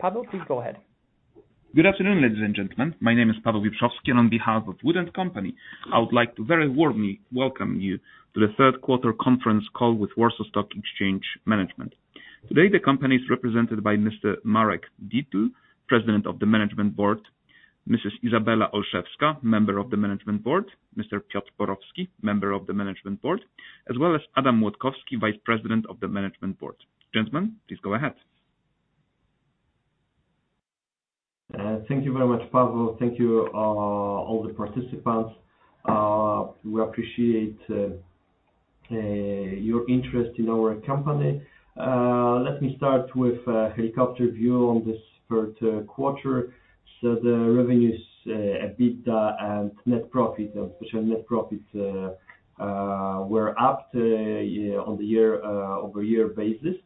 Paweł, please go ahead. Good afternoon, ladies and gentlemen. My name is Paweł Wieczorski, and on behalf of WOOD & Company, I would like to very warmly welcome you to the third quarter conference call with Warsaw Stock Exchange Management. Today, the company is represented by Mr. Marek Dietl, President of the Management Board, Mrs. Izabela Olszewska, Member of the Management Board, Mr. Piotr Borowski, Member of the Management Board, as well as Adam Młodkowski, Vice President of the Management Board. Gentlemen, please go ahead. Thank you very much, Paweł. Thank you, all the participants. We appreciate your interest in our company. Let me start with a helicopter view on this third quarter. The revenues, EBITDA and net profit, especially net profit, were up on the year-over-year basis.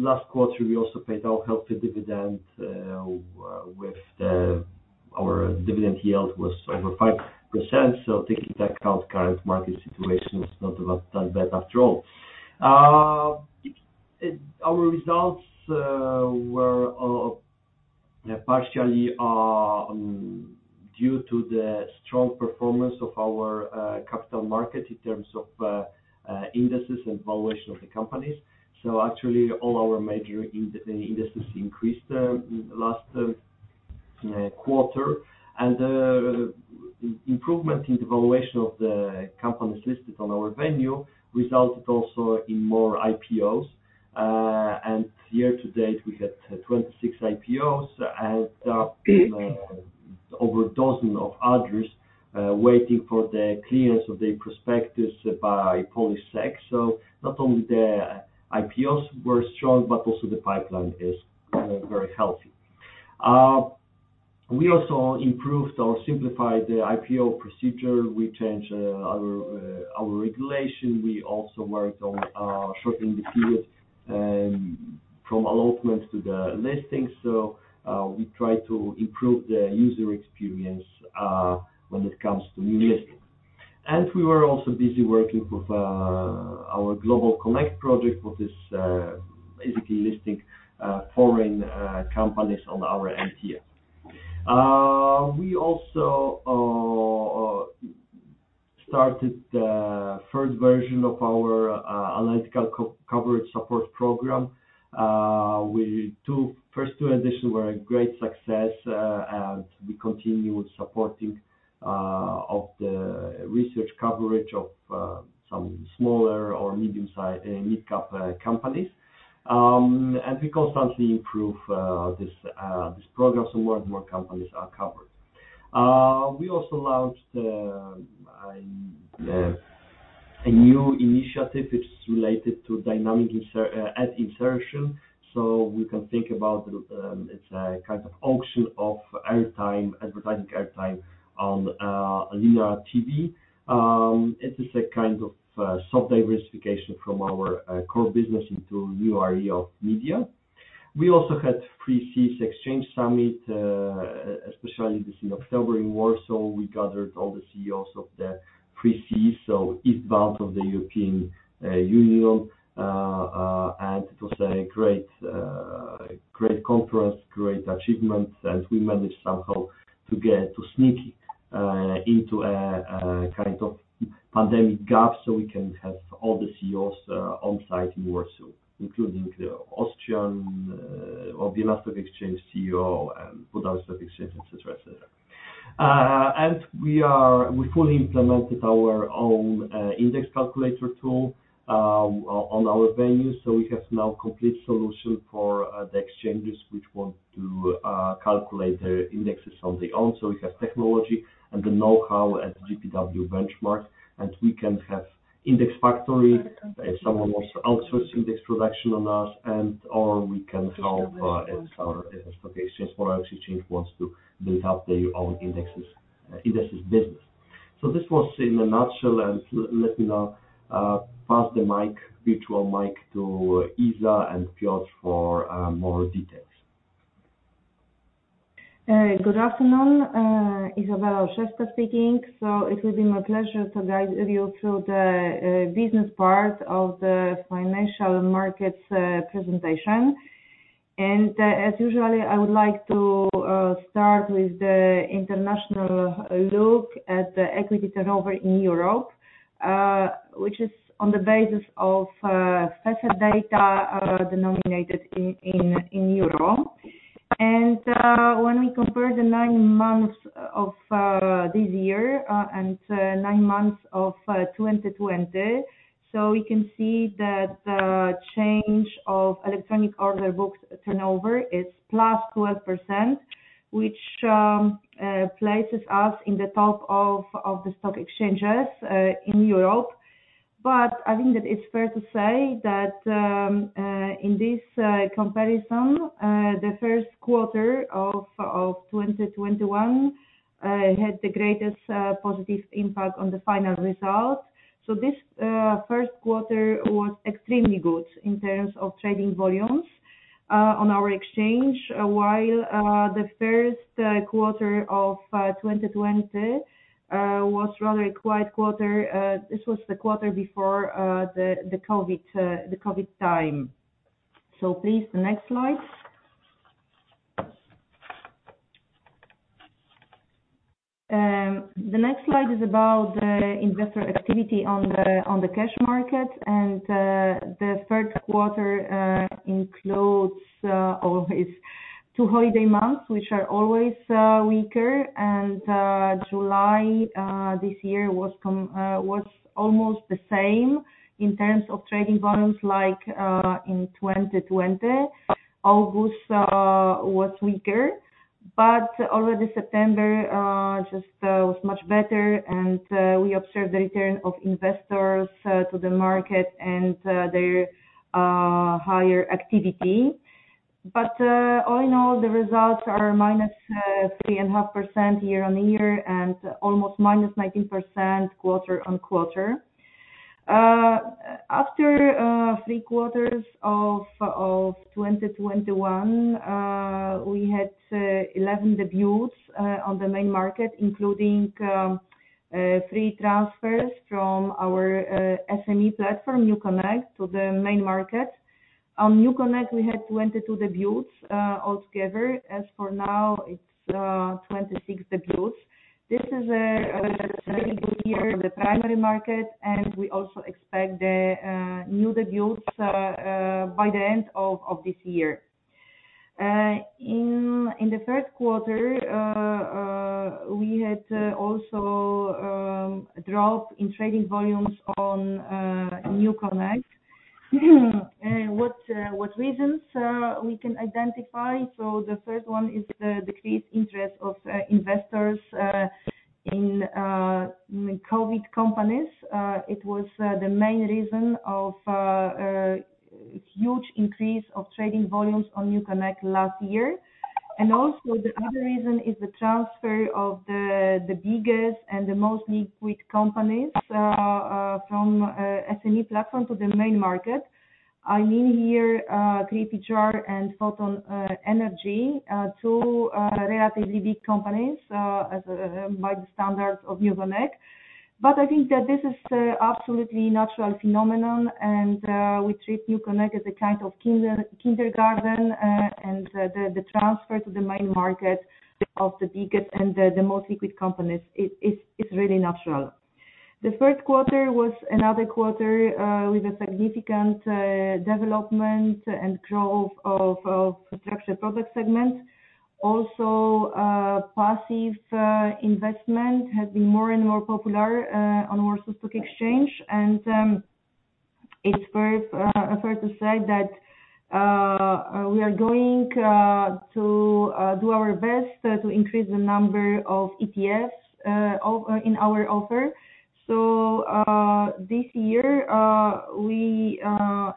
Last quarter, we also paid our healthy dividend. Our dividend yield was over 5%, so taking into account current market situation, it's not that bad after all. Our results were partially due to the strong performance of our capital market in terms of indices and valuation of the companies. Actually, all our major indices increased last quarter. Improvement in the valuation of the companies listed on our venue resulted also in more IPOs. Year-to-date, we had 26 IPOs and over a dozen of others waiting for the clearance of their prospectus by KNF. Not only the IPOs were strong, but also the pipeline is very healthy. We also improved or simplified the IPO procedure. We changed our regulation. We also worked on shortening the period from allotment to the listing. We try to improve the user experience when it comes to new listing. We were also busy working with our GlobalConnect project, which is basically listing foreign companies on our MTF. We also started the first version of our analytical co-coverage support program. First two editions were a great success, and we continue with supporting of the research coverage of some smaller or medium-size mid-cap companies. We constantly improve this program, so more and more companies are covered. We also launched a new initiative which is related to dynamic ad insertion. We can think about it as a kind of auction of airtime, advertising airtime on linear TV. It is a kind of soft diversification from our core business into new area of media. We also had Three Seas Exchange Summit, especially this in October in Warsaw. We gathered all the CEOs of the Three Seas, so east part of the European Union. It was a great conference, great achievement, and we managed somehow to sneak into a kind of pandemic gap, so we can have all the CEOs on-site in Warsaw, including the Austrian or Vienna Stock Exchange CEO and Budapest Stock Exchange, et cetera. We fully implemented our own index calculator tool on our venue. We have now complete solution for the exchanges which want to calculate their indexes on their own. We have technology and the know-how at GPW Benchmark, and we can have index factory if someone wants to outsource index production on us and/or we can help if a stock exchange, foreign exchange wants to build up their own indexes business. This was in a nutshell, and let me now pass the mic, virtual mic to Iza and Piotr for more details. Good afternoon. Izabela Olszewska speaking. It will be my pleasure to guide you through the business part of the financial markets presentation. As usual, I would like to start with the international look at the equity turnover in Europe, which is on the basis of FESE data denominated in euro. When we compare the nine months of this year and nine months of 2020, we can see that the change of electronic order books turnover is +12%, which places us in the top of the stock exchanges in Europe. I think that it's fair to say that in this comparison, the first quarter of 2021 had the greatest positive impact on the final result. This first quarter was extremely good in terms of trading volumes. On our exchange, while the first quarter of 2020 was rather a quiet quarter. This was the quarter before the COVID time. Please, the next slide. The next slide is about investor activity on the cash market. The third quarter includes always two holiday months, which are always weaker. July this year was almost the same in terms of trading volumes like in 2020. August was weaker, but already September just was much better, and we observed the return of investors to the market and their higher activity. All in all, the results are -3.5% year-on-year and almost -19% quarter-on-quarter. After three quarters of 2021, we had 11 debuts on the main market, including three transfers from our SME platform, NewConnect, to the main market. On NewConnect, we had 22 debuts altogether. As for now, it's 26 debuts. This is a very good year for the primary market, and we also expect new debuts by the end of this year. In the first quarter, we had also a drop in trading volumes on NewConnect. What reasons can we identify? The first one is the decreased interest of investors in COVID companies. It was the main reason of huge increase of trading volumes on NewConnect last year. Also the other reason is the transfer of the biggest and the most liquid companies from SME platform to the main market. I mean here KPHR and Photon Energy, two relatively big companies as by the standards of NewConnect. I think that this is an absolutely natural phenomenon, and we treat NewConnect as a kind of kindergarten, and the transfer to the main market of the biggest and the most liquid companies it's really natural. The first quarter was another quarter with a significant development and growth of structured product segment. Also passive investment has been more and more popular on Warsaw Stock Exchange. It's worth to say that we are going to do our best to increase the number of ETFs in our offer. This year we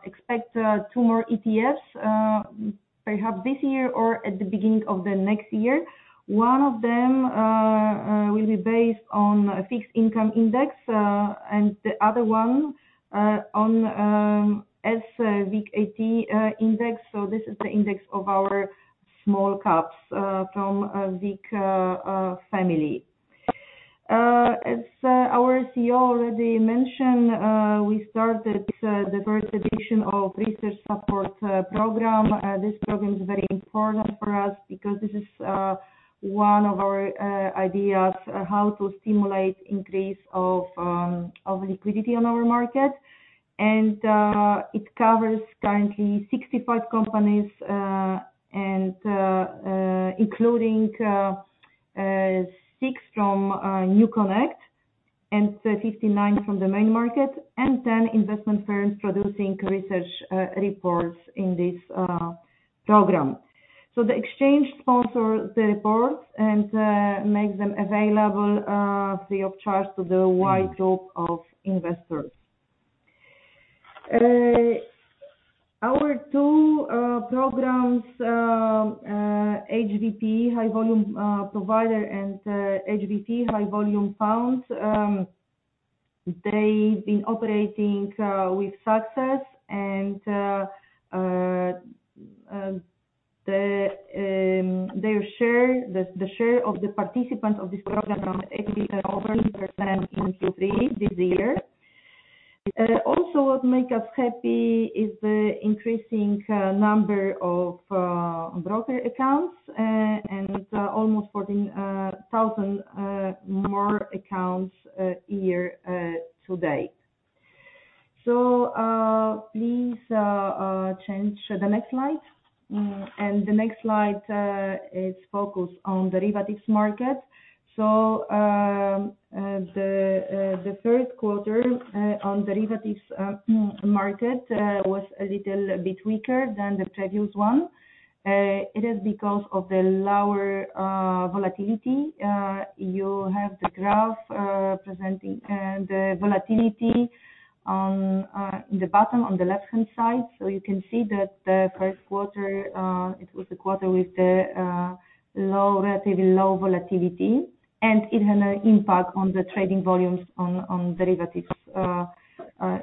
expect two more ETFs, perhaps this year or at the beginning of the next year. One of them will be based on a fixed income index, and the other one on sWIG80 index. This is the index of our small caps from WIG family. As our CEO already mentioned, we started the first edition of research support program. This program is very important for us because this is one of our ideas how to stimulate increase of liquidity on our market. It covers currently 65 companies, and including six from NewConnect and 59 from the main market, and 10 investment firms producing research reports in this program. The exchange sponsor the reports and make them available free of charge to the wide group of investors. Our two programs, HVP, High Volume Provider and HVF, High Volume Funds, they've been operating with success and their share of the participants of this program on HVP are over 30% in 2023 this year. What make us happy is the increasing number of broker accounts and almost 14,000 more accounts year-to-date. Please change the next slide. The next slide is focused on derivatives market. The third quarter on derivatives market was a little bit weaker than the previous one. It is because of the lower volatility. You have the graph presenting the volatility in the bottom on the left-hand side. You can see that the first quarter was a quarter with the relatively low volatility, and it had an impact on the trading volumes on derivatives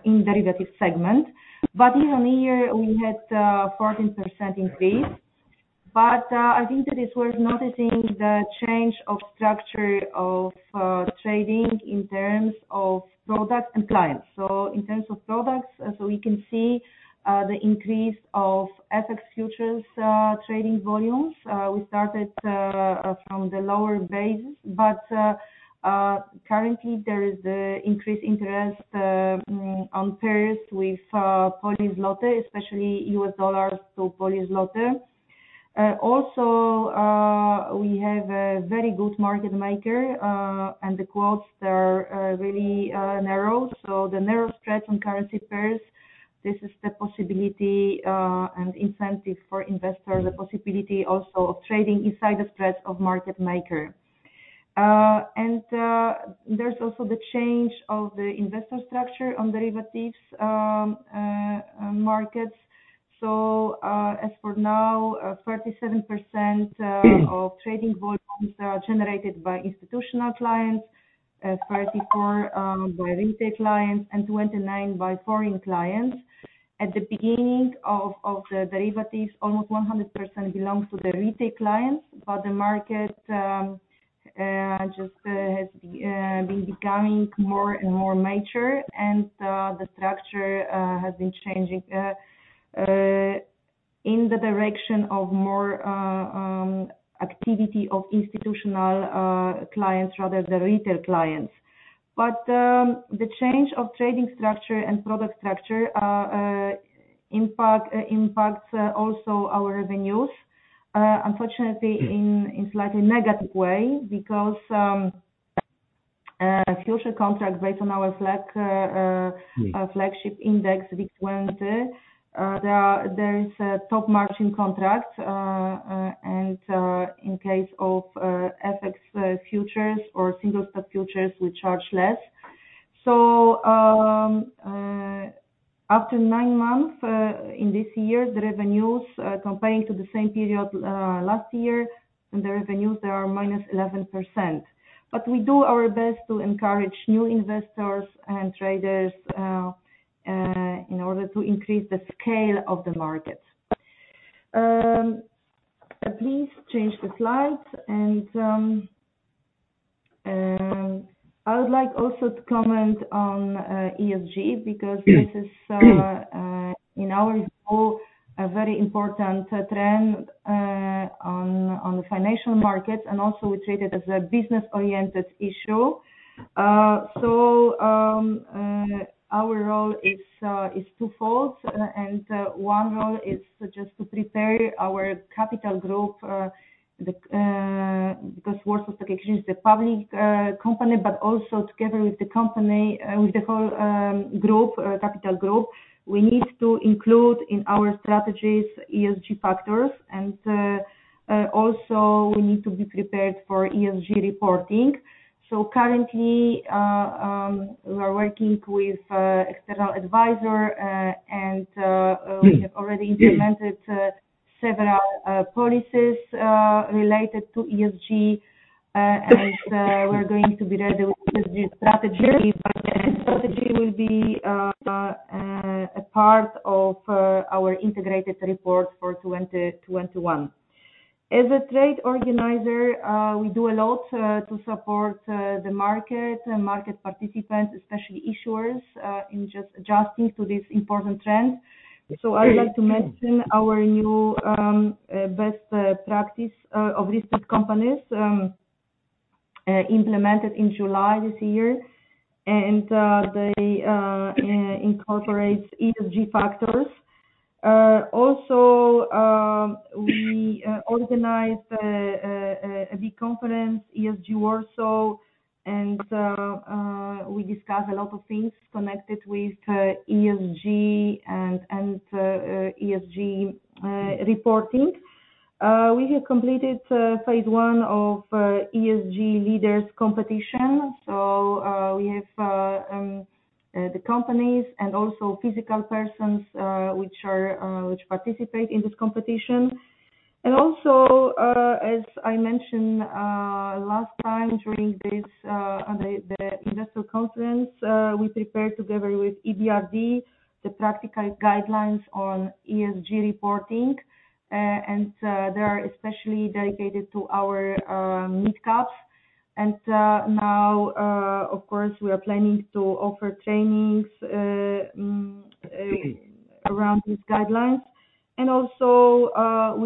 in derivatives segment. Even here we had a 14% increase. I think that it's worth noticing the change of structure of trading in terms of products and clients. In terms of products, we can see the increase of FX futures trading volumes. We started from the lower base, but currently there is increased interest on pairs with Polish zloty, especially U.S. dollar to Polish zloty. Also, we have a very good market maker and the quotes they're really narrow. The narrow spread on currency pairs, this is the possibility and incentive for investors, the possibility also of trading inside the spread of market maker. There's also the change of the investor structure on derivatives markets. As for now, 37% of trading volumes are generated by institutional clients, 34% by retail clients, and 29% by foreign clients. At the beginning of the derivatives, almost 100% belongs to the retail clients. The market has been becoming more and more mature. The structure has been changing in the direction of more activity of institutional clients rather than retail clients. The change of trading structure and product structure impacts also our revenues, unfortunately in slightly negative way because futures contracts based on our flagship index, WIG20, there is a top margin contract. In case of FX futures or single stock futures, we charge less. After nine months in this year, the revenues comparing to the same period last year are -11%. We do our best to encourage new investors and traders in order to increase the scale of the market. Please change the slide. I would like also to comment on ESG because this is in our view a very important trend on the financial markets, and also we treat it as a business-oriented issue. Our role is twofold. One role is just to prepare our capital group. Because Warsaw Stock Exchange is a public company, but also together with the whole capital group, we need to include in our strategies ESG factors. Also we need to be prepared for ESG reporting. Currently, we are working with external advisor. We have already implemented several policies related to ESG, and we're going to be ready with the strategy. The strategy will be a part of our integrated report for 2021. As a trade organizer, we do a lot to support the market and market participants, especially issuers, in just adjusting to this important trend. I'd like to mention our new best practice of listed companies implemented in July this year. They incorporates ESG factors. Also, we organized a big conference, ESG Warsaw. We discussed a lot of things connected with ESG and ESG reporting. We have completed phase I of ESG Leaders competition. We have the companies and also physical persons which participate in this competition. Also, as I mentioned last time during this on the investor conference, we prepared together with EBRD, the practical guidelines on ESG reporting. They are especially dedicated to our mid caps. Now, of course, we are planning to offer trainings around these guidelines. We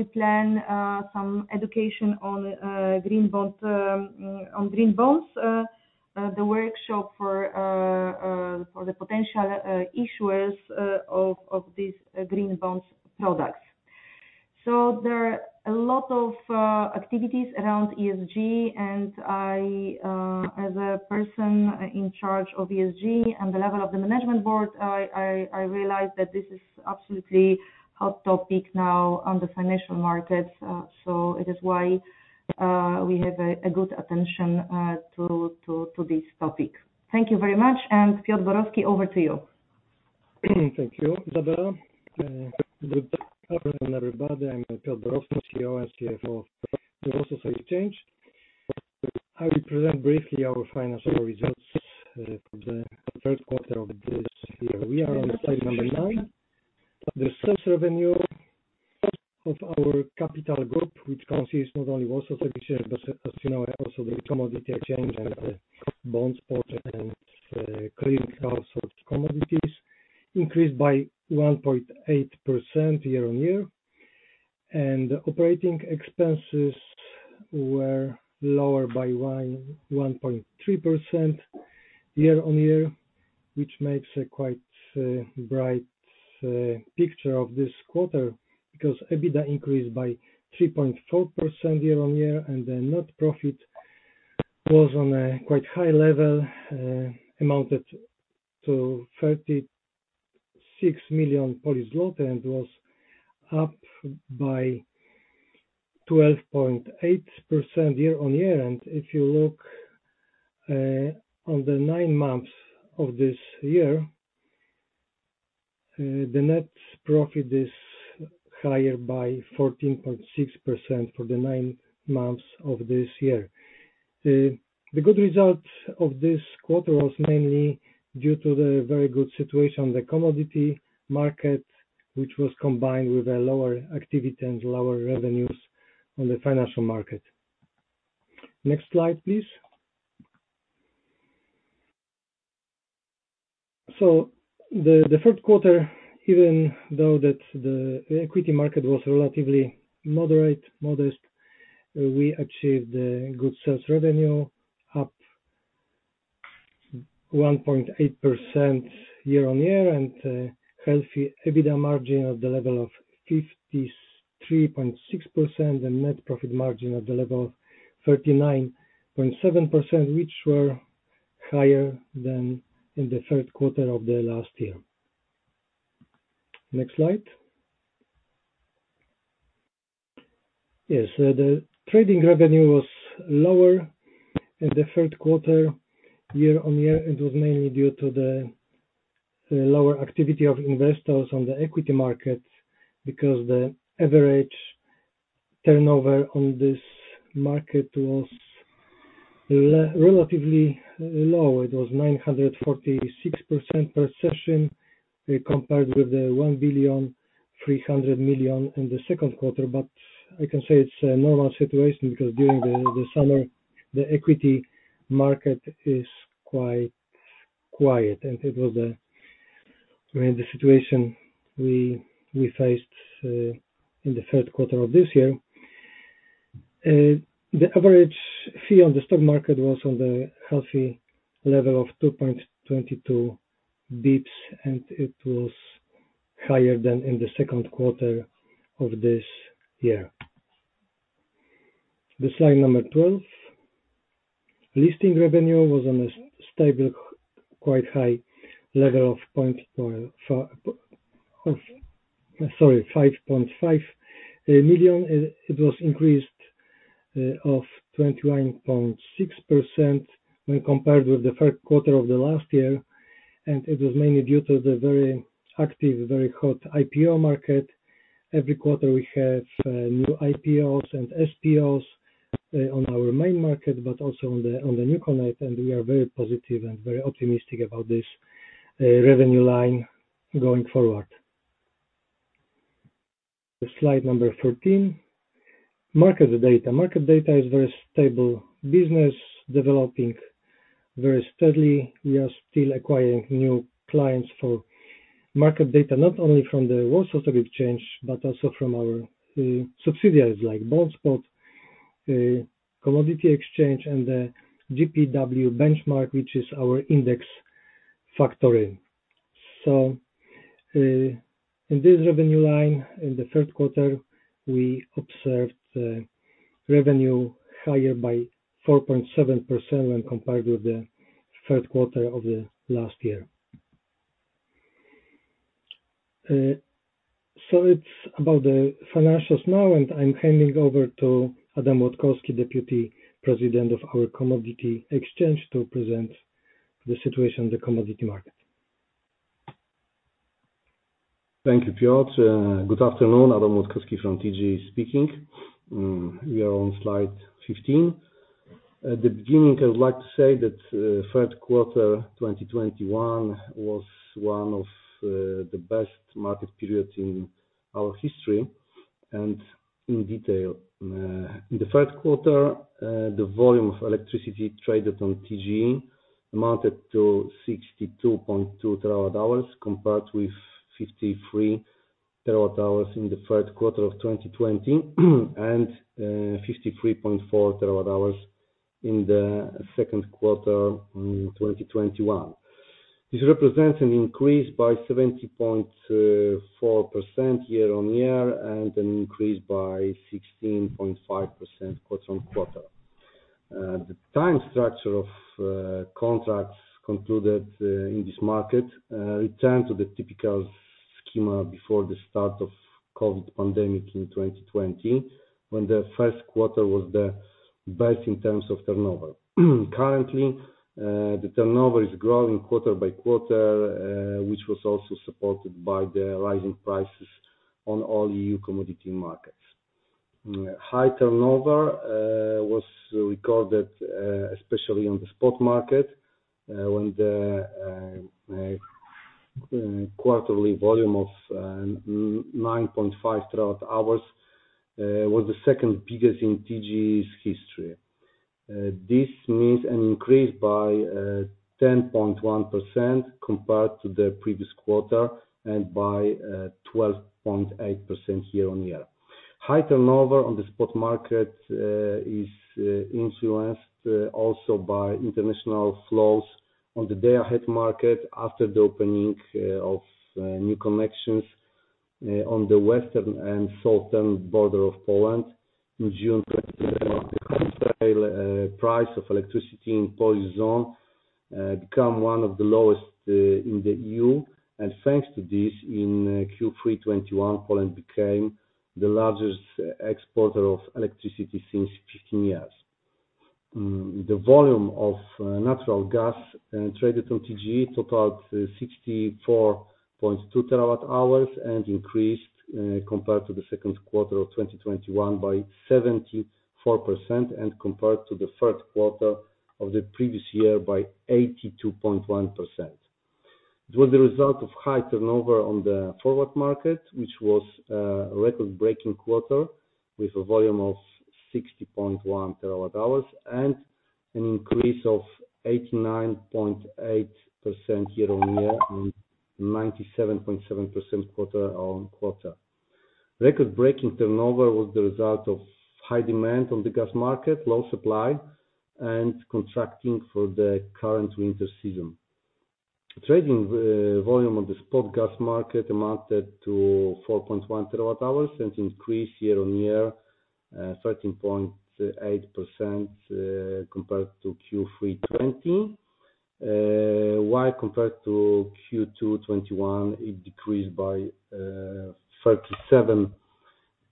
plan some education on green bonds. The workshop for the potential issuers of these green bonds products. There are a lot of activities around ESG. I, as a person in charge of ESG at the level of the Management Board, realize that this is absolutely hot topic now on the financial markets. It is why we have a good attention to this topic. Thank you very much. Piotr Borowski, over to you. Thank you, Izabela. Good afternoon, everybody. I'm Piotr Borowski, CEO and CFO of the Warsaw Stock Exchange. I will present briefly our financial results for the third quarter of this year. We are on slide number nine. The sales revenue of our capital group, which consists not only Warsaw Stock Exchange, but as you know, also the commodity exchange and the BondSpot and clearing house of commodities, increased by 1.8% year-on-year. Operating expenses were lower by 1.3% year-on-year, which makes a quite bright picture of this quarter because EBITDA increased by 3.4% year-on-year, and the net profit was on a quite high level, amounted to 36 million and was up by 12.8% year-on-year. If you look on the nine months of this year, the net profit is higher by 14.6% for the nine months of this year. The good result of this quarter was mainly due to the very good situation on the commodity market, which was combined with a lower activity and lower revenues on the financial market. Next slide, please. The third quarter, even though the equity market was relatively moderate, modest, we achieved a good sales revenue, up 1.8% year-on-year, and a healthy EBITDA margin at the level of 53.6%, and net profit margin at the level of 39.7%, which were higher than in the third quarter of the last year. Next slide. Yes. The trading revenue was lower in the third quarter year-on-year. It was mainly due to the lower activity of investors on the equity market because the average turnover on this market was relatively low. It was 946 million per session compared with 1.3 billion in the second quarter. I can say it's a normal situation because during the summer the equity market is quite quiet, and it was, I mean, the situation we faced in the third quarter of this year. The average fee on the stock market was on the healthy level of 2.22 basis points, and it was higher than in the second quarter of this year. The slide number 12. Listing revenue was on a stable, quite high level of 5.5 million. It was increased by 21.6% when compared with the third quarter of the last year, and it was mainly due to the very active, very hot IPO market. Every quarter we have new IPOs and SPOs on our main market, but also on the NewConnect, and we are very positive and very optimistic about this revenue line going forward. Slide number 13. Market data. Market data is very stable business, developing very steadily. We are still acquiring new clients for market data, not only from the Warsaw Stock Exchange, but also from our subsidiaries like BondSpot, TGE and the GPW Benchmark, which is our index factory. In this revenue line, in the third quarter, we observed revenue higher by 4.7% when compared with the third quarter of the last year. It's about the financials now, and I'm handing over to Adam Młodkowski, Deputy President of our Commodity Exchange, to present the situation of the commodity market. Thank you, Piotr. Good afternoon, Adam Młodkowski from TGE speaking. We are on slide 15. At the beginning, I would like to say that third quarter 2021 was one of the best market periods in our history and in detail. In the third quarter, the volume of electricity traded on TGE amounted to 62.2 TWh compared with 53 TWh in the third quarter of 2020, and 53.4 TWh in the second quarter in 2021. This represents an increase by 70.4% year-on-year and an increase by 16.5% quarter-on-quarter. The time structure of contracts concluded in this market returned to the typical scheme before the start of COVID pandemic in 2020, when the first quarter was the best in terms of turnover. Currently, the turnover is growing quarter-by-quarter, which was also supported by the rising prices on all EU commodity markets. High turnover was recorded especially on the spot market when the quarterly volume of 9.5 TWh was the second biggest in TGE's history. This means an increase by 10.1% compared to the previous quarter and by 12.8% year-on-year. High turnover on the spot market is influenced also by international flows on the day-ahead market after the opening of new connections on the western and southern border of Poland in June 2021. The wholesale price of electricity in Polish zone became one of the lowest in the EU. Thanks to this, in Q3 2021, Poland became the largest exporter of electricity since 15 years. The volume of natural gas traded on TGE totaled 64.2 TWh and increased compared to the second quarter of 2021 by 74% and compared to the third quarter of the previous year by 82.1%. It was the result of high turnover on the forward market, which was record-breaking quarter with a volume of 60.1 TWh and an increase of 89.8% year-on-year and 97.7% quarter-on-quarter. Record-breaking turnover was the result of high demand on the gas market, low supply and contracting for the current winter season. Trading volume on the spot gas market amounted to 4.1 TWh and increased year-on-year 13.8% compared to Q3 2020. While compared to Q2 2021, it decreased by 37.3%.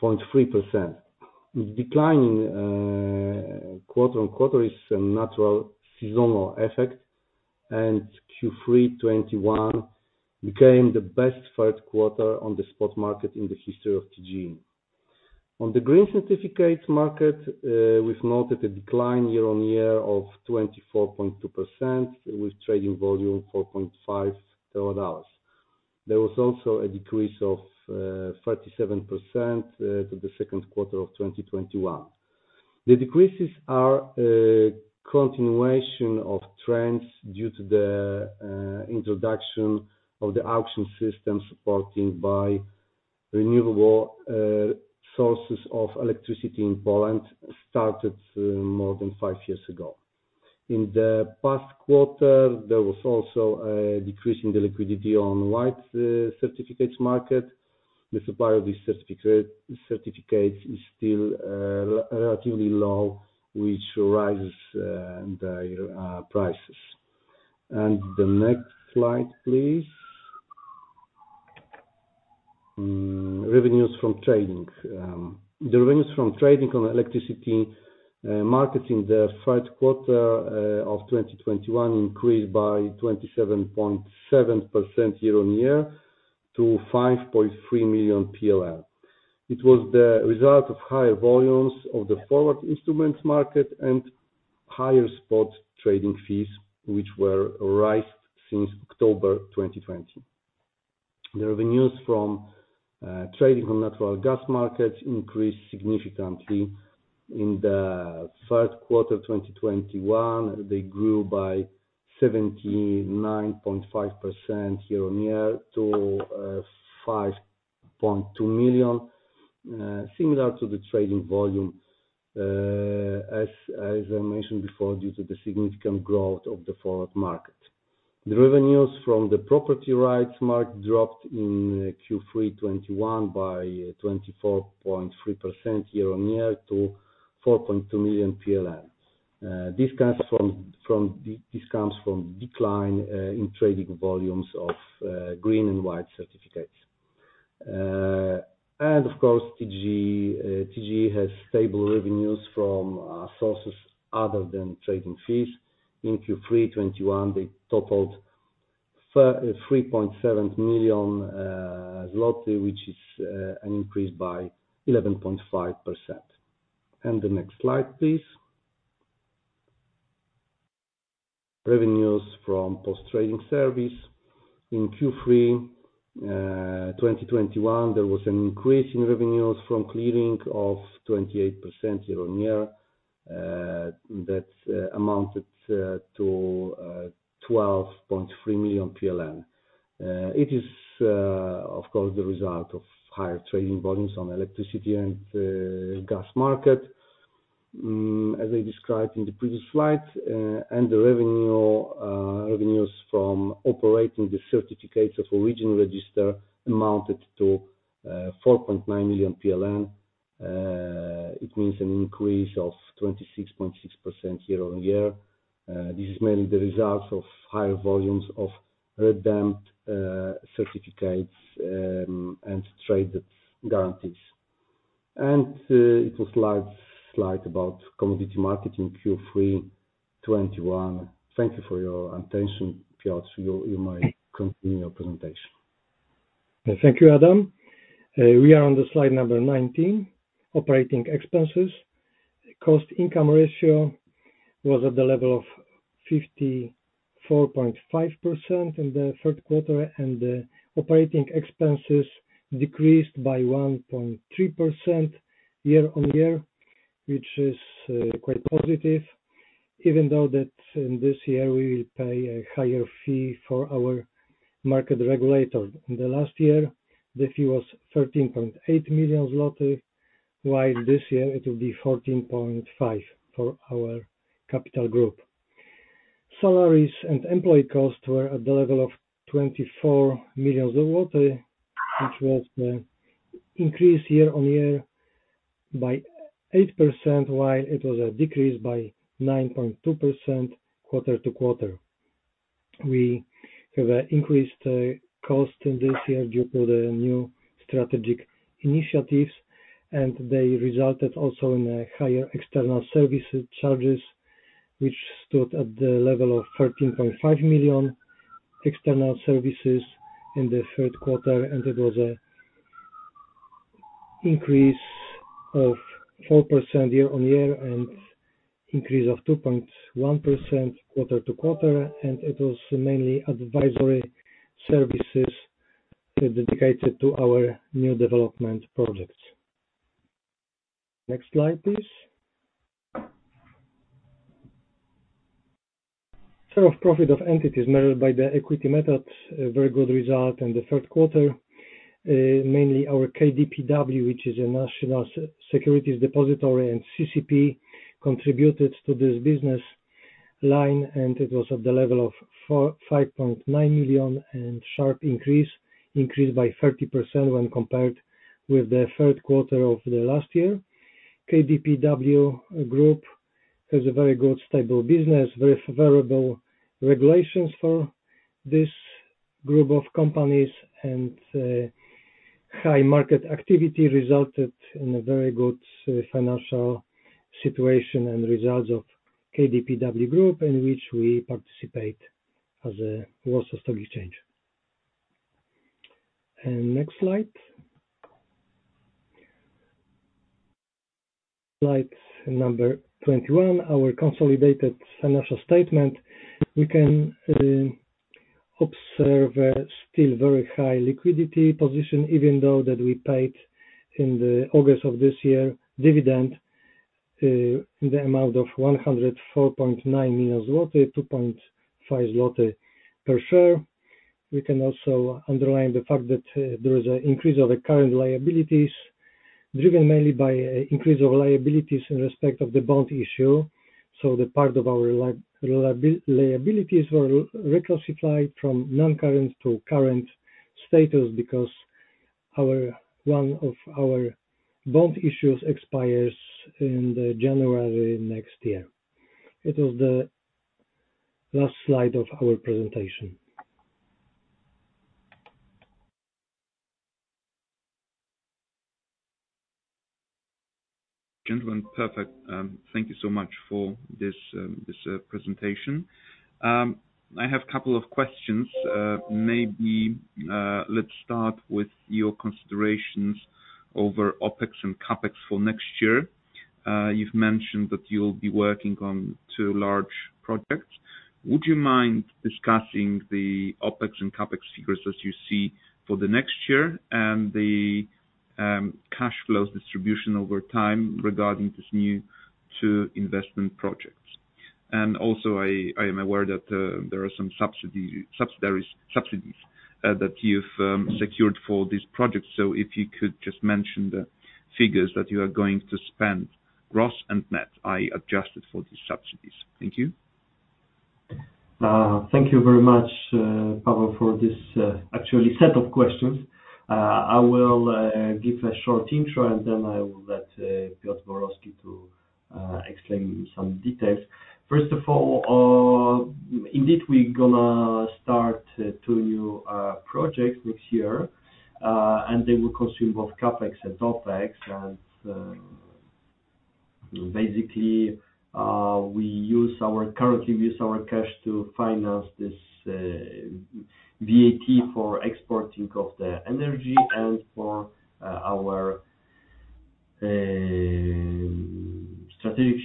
The decline quarter-on-quarter is a natural seasonal effect, and Q3 2021 became the best third quarter on the spot market in the history of TGE. On the green certificates market, we've noted a decline year-on-year of 24.2% with trading volume 4.5 TWh. There was also a decrease of 37% to the second quarter of 2021. The decreases are a continuation of trends due to the introduction of the auction system supported by renewable sources of electricity in Poland started more than five years ago. In the past quarter, there was also a decrease in the liquidity on white certificates market. The supply of these certificates is still relatively low, which raises the prices. The next slide, please. Revenues from trading. The revenues from trading on electricity markets in the third quarter of 2021 increased by 27.7% year-on-year to 5.3 million. It was the result of higher volumes of the forward instruments market and higher spot trading fees which were raised since October 2020. The revenues from trading on natural gas markets increased significantly. In the third quarter of 2021, they grew by 79.5% year-on-year to 5.2 million. Similar to the trading volume, as I mentioned before, due to the significant growth of the forward market. The revenues from the property rights market dropped in Q3 2021 by 24.3% year-on-year to 4.2 million. This comes from decline in trading volumes of green and white certificates. Of course, TGE has stable revenues from sources other than trading fees. In Q3 2021, they totaled 3.7 million zloty, which is an increase by 11.5%. The next slide, please. Revenues from post-trading service. In Q3 2021, there was an increase in revenues from clearing of 28% year-on-year. That amounted to 12.3 million PLN. It is, of course, the result of higher trading volumes on electricity and gas market, as I described in the previous slide. Revenues from operating the certificates of origin register amounted to 4.9 million PLN. It means an increase of 26.6% year-on-year. This is mainly the result of higher volumes of redeemed certificates and traded guarantees. It was the last slide about commodity market in Q3 2021. Thank you for your attention. Piotr, you may continue your presentation. Thank you, Adam. We are on the slide number 19, operating expenses. Cost-income ratio was at the level of 54.5% in the third quarter, and the operating expenses decreased by 1.3% year-on-year, which is quite positive, even though that in this year we will pay a higher fee for our market regulator. In the last year, the fee was 13.8 million zloty, while this year it will be 14.5 million for our capital group. Salaries and employee costs were at the level of 24 million, which was the increase year-on-year by 8%, while it was a decrease by 9.2% quarter-to-quarter. We have increased costs in this year due to the new strategic initiatives, and they resulted also in a higher external services charges, which stood at the level of 13.5 million external services in the third quarter, and it was an increase of 4% year-on-year and increase of 2.1% quarter-to-quarter, and it was mainly advisory services dedicated to our new development projects. Next slide, please. Share of profit of entities measured by the equity method, a very good result in the third quarter. Mainly our KDPW, which is a national securities depository, and KDPW_CCP contributed to this business line, and it was at the level of 5.9 million, and sharp increase by 30% when compared with the third quarter of last year. KDPW Group has a very good stable business, very favorable regulations for this group of companies, and high market activity resulted in a very good financial situation and results of KDPW Group, in which we participate as a Warsaw Stock Exchange. Next slide. Slide number 21, our consolidated financial statement. We can observe a still very high liquidity position, even though that we paid in August of this year dividend in the amount of 104.9 million zloty, 2.5 zloty per share. We can also underline the fact that there is an increase of the current liabilities, driven mainly by increase of liabilities in respect of the bond issue. So the part of our liabilities were reclassified from non-current to current status because our one of our bond issues expires in January next year. It is the last slide of our presentation. Gentlemen, perfect. Thank you so much for this presentation. I have a couple of questions. Maybe let's start with your considerations over OpEx and CapEx for next year. You've mentioned that you'll be working on two large projects. Would you mind discussing the OpEx and CapEx figures as you see for the next year and the cash flows distribution over time regarding these new two investment projects? Also, I am aware that there are some subsidies that you've secured for these projects. So if you could just mention the figures that you are going to spend, gross and net, adjusted for the subsidies. Thank you. Thank you very much, Paweł, for this actually set of questions. I will give a short intro, and then I will let Piotr Borowski to explain some details. First of all, indeed, we're gonna start two new projects next year, and they will consume both CapEx and OpEx. Basically, we currently use our cash to finance this VAT for exporting of the energy and for our strategic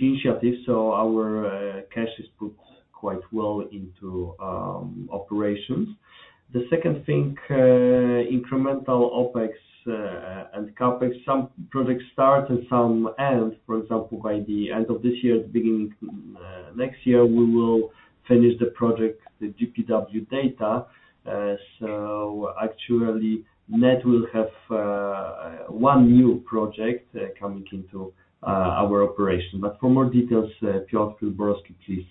initiatives. Our cash is put quite well into operations. The second thing, incremental OpEx and CapEx, some projects start and some end. For example, by the end of this year, beginning next year, we will finish the project, the GPW Data. Actually, net will have one new project coming into our operation. For more details, Piotr Borowski, please,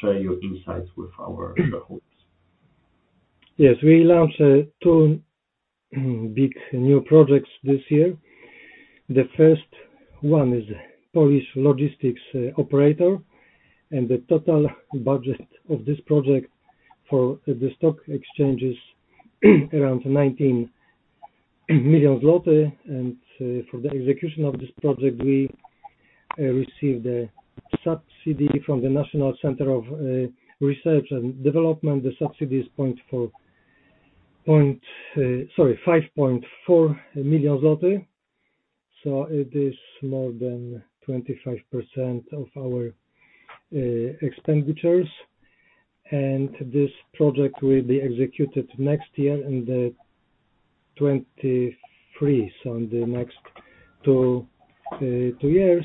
share your insights with our shareholders. Yes, we launched two big new projects this year. The first one is Polish Logistics Operator, and the total budget of this project for the stock exchange is around 19 million zloty. For the execution of this project, we received a subsidy from the National Centre for Research and Development. The subsidy is 5.4 million zloty. It is more than 25% of our expenditures. This project will be executed next year in 2023, so in the next two years.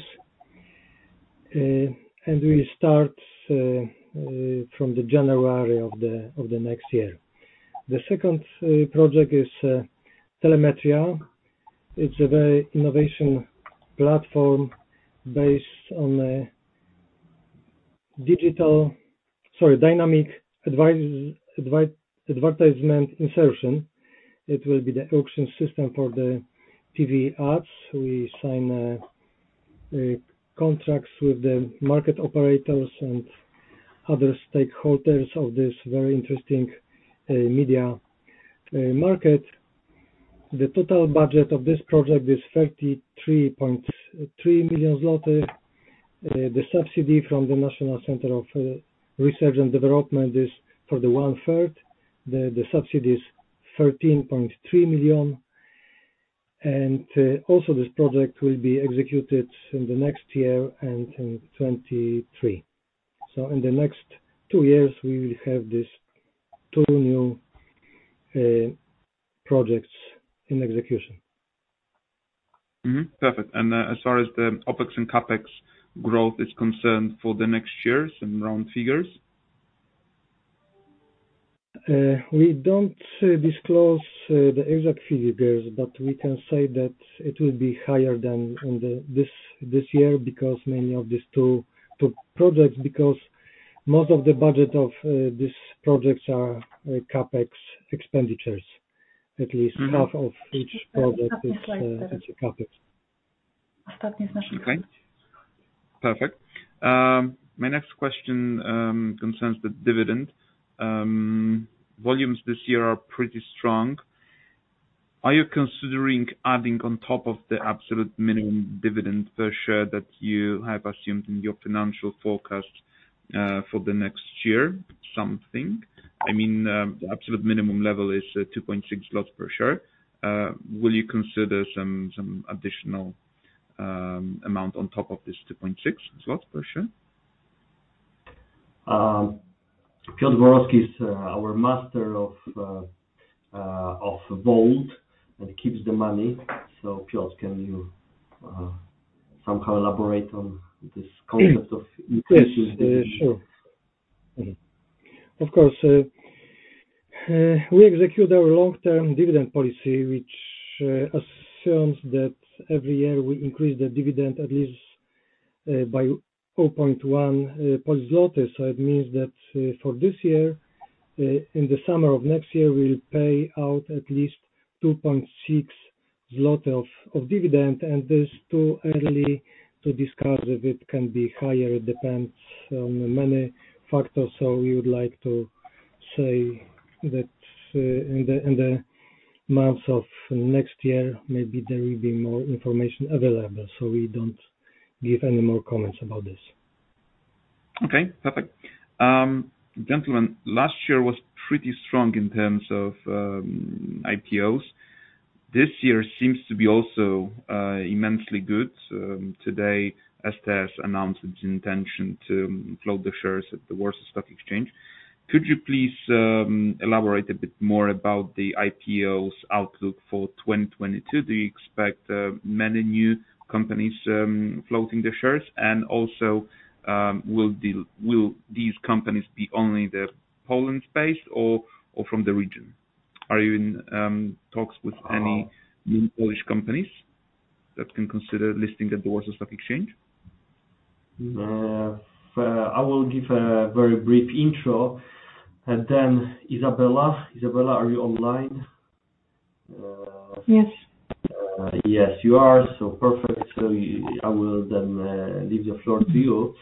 We start from January of the next year. The second project is Telemetria. It's a very innovative platform based on dynamic advertisement insertion. It will be the auction system for the TV ads. We sign contracts with the market operators and other stakeholders of this very interesting media market. The total budget of this project is 33.3 million zloty. The subsidy from the National Centre for Research and Development is for the one-third. The subsidy is 13.3 million. also this project will be executed in the next year and in 2023. in the next two years, we will have these two new projects in execution. Perfect. As far as the OpEx and CapEx growth is concerned for the next years in round figures? We don't disclose the exact figures, but we can say that it will be higher than in this year because mainly of these two projects, because most of the budget of these projects are in CapEx expenditure. Okay. Perfect. My next question concerns the dividend. Volumes this year are pretty strong. Are you considering adding on top of the absolute minimum dividend per share that you have assumed in your financial forecast for the next year something? I mean, the absolute minimum level is 2.6 zlotys per share. Will you consider some additional amount on top of this 2.6 zloty per share? Piotr Borowski is our master of vault and keeps the money. Piotr, can you somehow elaborate on this concept of increasing the- Yes. Sure. Of course. We execute our long-term dividend policy, which assumes that every year we increase the dividend at least by 0.1 zloty. It means that for this year, in the summer of next year, we'll pay out at least 2.6 zloty of dividend. It is too early to discuss if it can be higher. It depends on many factors. We would like to say that in the months of next year, maybe there will be more information available, so we don't give any more comments about this. Okay. Perfect. Gentlemen, last year was pretty strong in terms of IPOs. This year seems to be also immensely good. Today, STS announced its intention to float the shares at the Warsaw Stock Exchange. Could you please elaborate a bit more about the IPO's outlook for 2022? Do you expect many new companies floating their shares? Also, will these companies be only the Polish space or from the region? Are you in talks with any new Polish companies that can consider listing at the Warsaw Stock Exchange? I will give a very brief intro and then Izabela. Izabela, are you online? Yes. Yes, you are. Perfect. I will then leave the floor to you.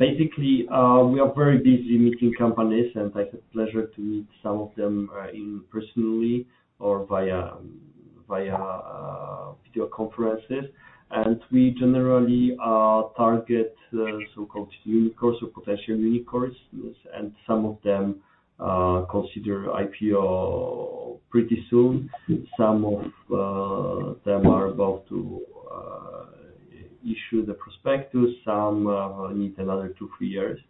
Basically, we are very busy meeting companies, and I had pleasure to meet some of them in person or via video conferences. We generally target so-called unicorns or potential unicorns. Some of them consider IPO pretty soon. Some of them are about to issue the prospectus. Some need another two, three years.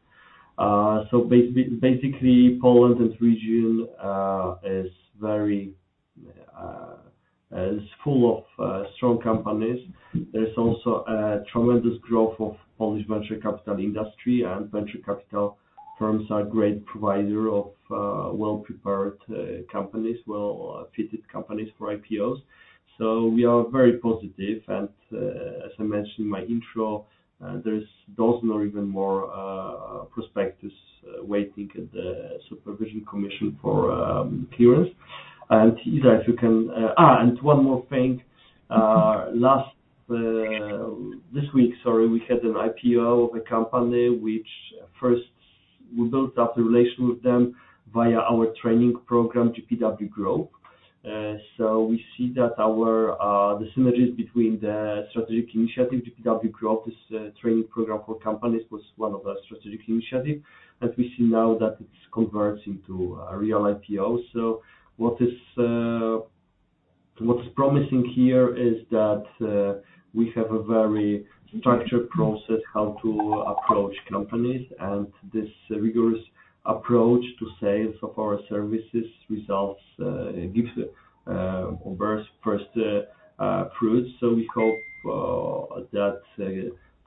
Basically, Poland and region is very full of strong companies. There's also a tremendous growth of Polish venture capital industry, and venture capital firms are great provider of well-prepared companies, well fitted companies for IPOs. We are very positive. As I mentioned in my intro, there's a dozen or even more of our prospectuses waiting at the KNF for clearance. Izabela, if you can. One more thing. Just this week, sorry, we had an IPO of a company which first we built up the relation with them via our training program, GPW Growth. We see that our the synergies between the strategic initiative, GPW Growth, this training program for companies, was one of our strategic initiative, and we see now that it's converged into a real IPO. What is promising here is that we have a very structured process how to approach companies, and this rigorous approach to sales of our services results, gives, bears first fruits. We hope that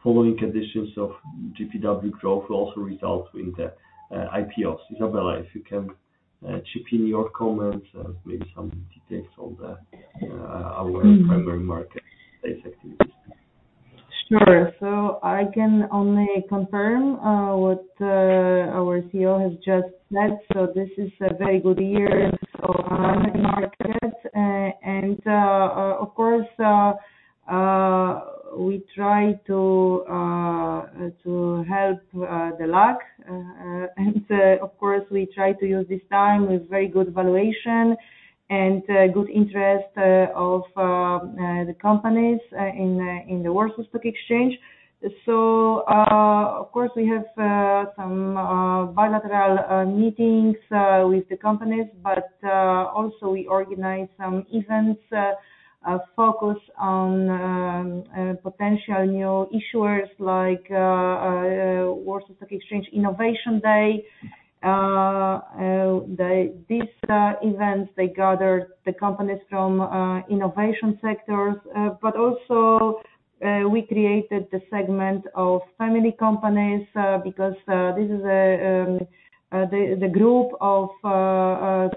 following conditions of GPW Growth will also result in the IPOs. Izabela, if you can chip in your comments, maybe some details on our primary market place activities. Sure. I can only confirm what our CEO has just said. This is a very good year on the market. Of course we try to help the lock. Of course, we try to use this time with very good valuation and good interest of the companies in the Warsaw Stock Exchange. Of course, we have some bilateral meetings with the companies, but also we organize some events focused on potential new issuers like Warsaw Stock Exchange Innovation Day. These events, they gather the companies from innovation sectors. We created the segment of family companies because this is the group of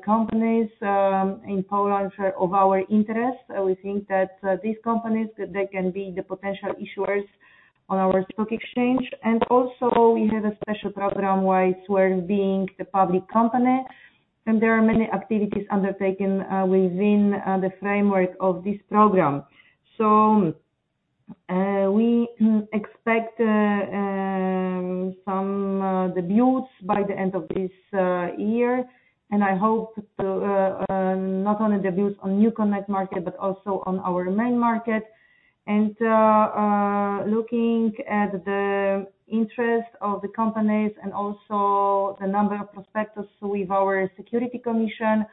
companies in Poland of our interest. We think that these companies that they can be the potential issuers on our stock exchange. Also we have a special program where it's worth being the public company, and there are many activities undertaken within the framework of this program. We expect some debuts by the end of this year. I hope to not only debut on NewConnect market, but also on our main market. Looking at the interest of the companies and also the number of prospectus with our securities commission,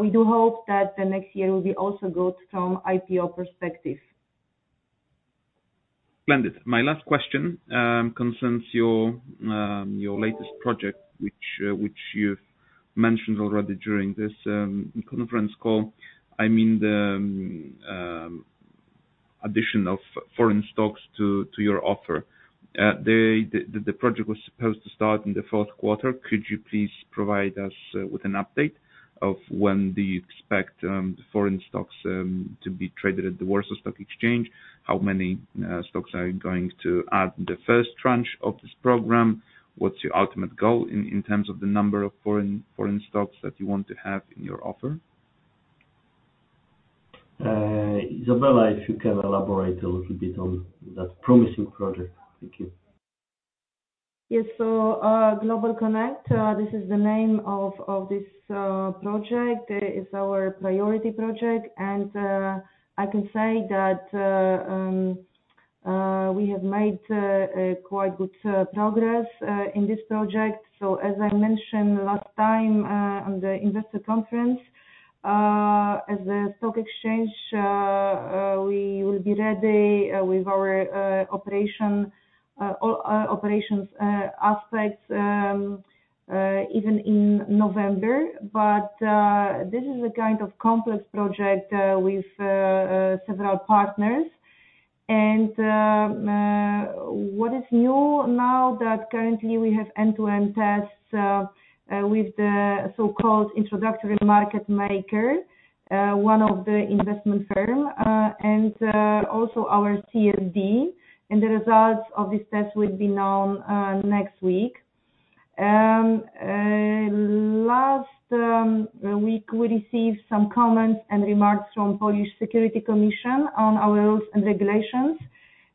we do hope that the next year will be also good from IPO perspective. Splendid. My last question concerns your latest project, which you've mentioned already during this conference call. I mean the addition of foreign stocks to your offer. The project was supposed to start in the fourth quarter. Could you please provide us with an update of when do you expect the foreign stocks to be traded at the Warsaw Stock Exchange? How many stocks are you going to add in the first tranche of this program? What's your ultimate goal in terms of the number of foreign stocks that you want to have in your offer? Izabela, if you can elaborate a little bit on that promising project. Thank you. Yes. GlobalConnect, this is the name of this project. It's our priority project. I can say that we have made a quite good progress in this project. As I mentioned last time on the investor conference, as a stock exchange, we will be ready with our operations aspects even in November. This is a kind of complex project with several partners. What is new now that currently we have end-to-end tests with the so-called introductory market maker, one of the investment firm, and also our CSD, and the results of this test will be known next week. Last week, we received some comments and remarks from Polish Financial Supervision Authority on our rules and regulations.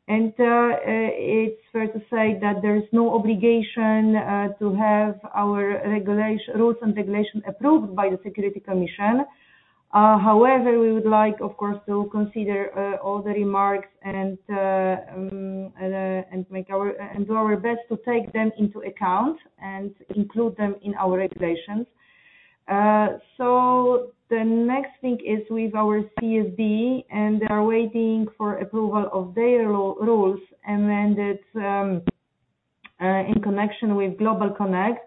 It's fair to say that there is no obligation to have our rules and regulations approved by the Polish Financial Supervision Authority. However, we would like, of course, to consider all the remarks and do our best to take them into account and include them in our regulations. The next thing is with our CSD, and they are waiting for approval of their rules, and then that in connection with GlobalConnect.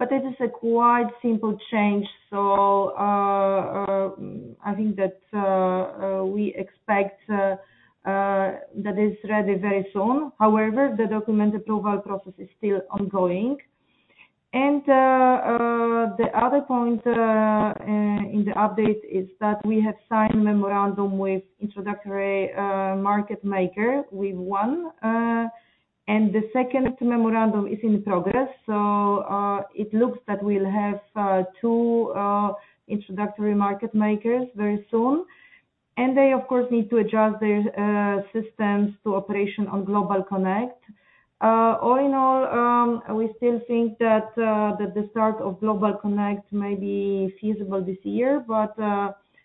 But this is a quite simple change. I think that we expect that it is ready very soon. However, the document approval process is still ongoing. The other point in the update is that we have signed memorandum with introductory market maker with one. The second memorandum is in progress. It looks that we'll have two introductory market makers very soon. They, of course, need to adjust their systems to operation on GlobalConnect. All in all, we still think that the start of GlobalConnect may be feasible this year, but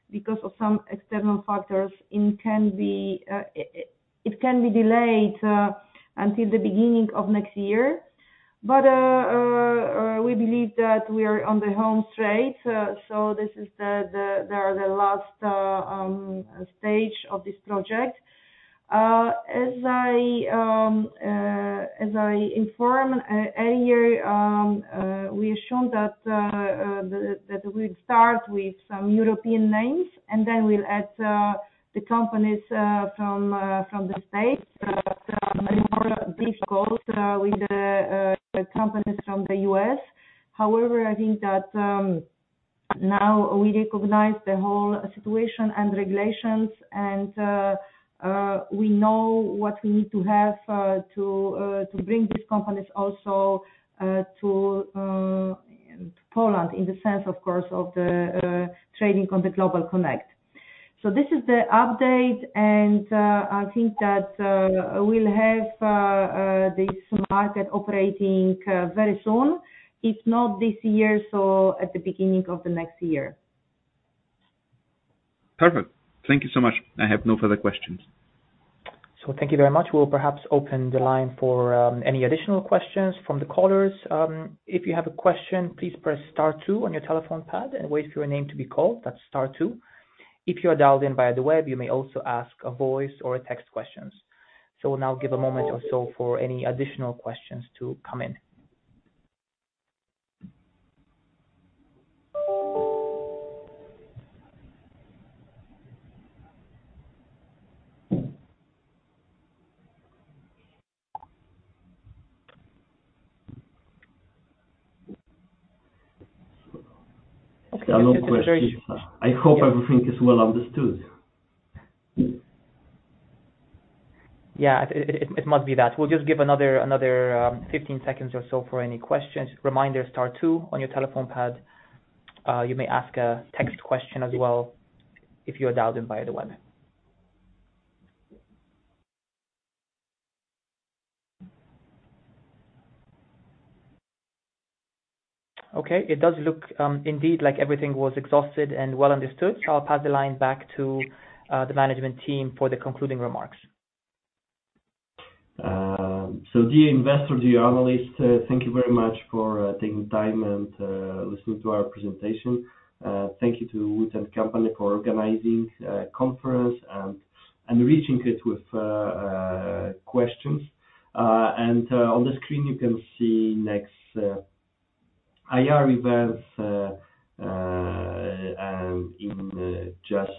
because of some external factors, it can be delayed until the beginning of next year. We believe that we are on the home straight. This is the last stage of this project. As I informed earlier, we showed that we'll start with some European names, and then we'll add the companies from the States. More difficult with the companies from the U.S.. However, I think that now we recognize the whole situation and regulations and we know what we need to have to bring these companies also to Poland in the sense, of course, of the trading on the GlobalConnect. This is the update, and I think that we'll have this market operating very soon, if not this year, so at the beginning of the next year. Perfect. Thank you so much. I have no further questions. Thank you very much. We'll perhaps open the line for any additional questions from the callers. If you have a question, please press star two on your telephone pad and wait for your name to be called. That's star two. If you are dialed in via the web, you may also ask a voice or a text questions. We'll now give a moment or so for any additional questions to come in. There are no questions. I hope everything is well understood. Yeah. It must be that. We'll just give another 15 seconds or so for any questions. Reminder, star two on your telephone pad. You may ask a text question as well if you are dialed in via the web. Okay. It does look indeed like everything was exhausted and well understood. I'll pass the line back to the management team for the concluding remarks. Dear investor, dear analyst, thank you very much for taking time and listening to our presentation. Thank you to WOOD & Company for organizing conference and reaching out with questions. On the screen, you can see next IR events in just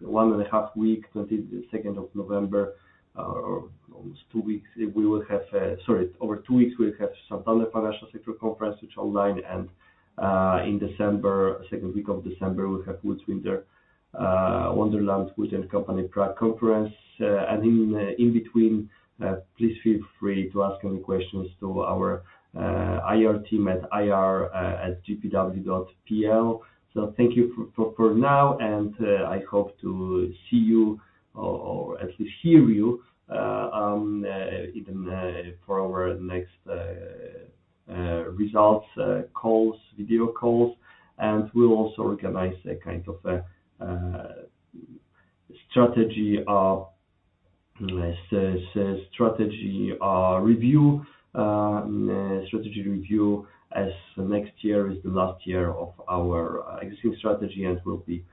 one and a half week, 22nd of November, or almost two weeks. Over two weeks, we'll have Santander Financial Sector Conference, which online, and in December, second week of December, we'll have Wood's Winter Wonderland WOOD & Company Prague Conference. In between, please feel free to ask any questions to our IR team at ir@gpw.pl. Thank you for now, and I hope to see you or at least hear you even for our next results calls, video calls. We'll also organize a kind of a strategy review as next year is the last year of our existing strategy. We'll be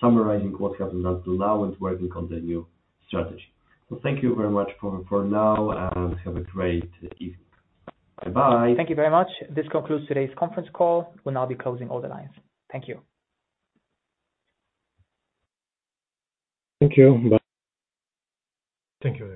summarizing what happened until now and working on the new strategy. Thank you very much for now and have a great evening. Bye-bye. Thank you very much. This concludes today's conference call. We'll now be closing all the lines. Thank you. Thank you. Bye. Thank you very much.